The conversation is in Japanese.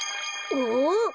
お。